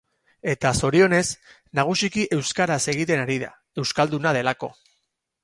Eta zorionez, nagusiki euskaraz egiten ari da, euskalduna delako.